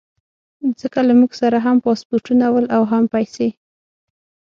ځکه له موږ سره هم پاسپورټونه ول او هم پیسې.